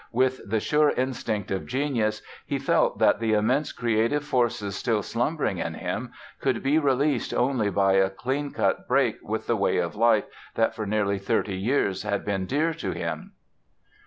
With the sure instinct of genius he felt that the immense creative forces still slumbering in him could be released only by a cleancut break with the way of life that for nearly 30 years had been dear to him."